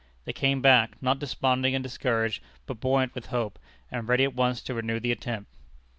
They came back, not desponding and discouraged, but buoyant with hope, and ready at once to renew the attempt.